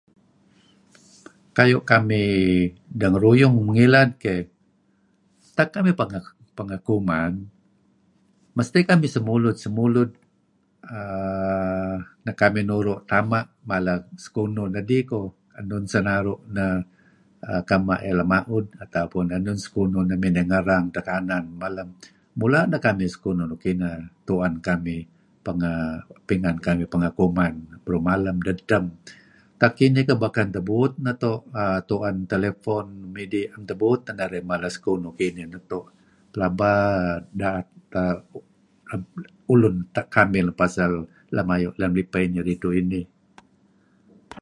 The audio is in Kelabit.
Kayu' kamih dengaruyung ngilad keyh tak kamih pangeh kuman mesti kamih semulud-semulud uhm neh kamih nuru' Tama' mala sekunuh nedih koh, enun sinaru' neh kema' iyeh lemaud ataupun enun sekunuh neh miney ngerang edteh kanan malem. Mula' dikamih sekunuh nuk kineh tuen kamih pangeh, pingan kamih pangeh kuman beruh malem dedtem. Tak kinih keyh baken tebuut neto' tuen telephone midih naem tebuut teh narih mala sekunuh kinih neto' pelaba daet uhm ulun kamih pasal lem ayu' lem lipeh inih ridtu' inih.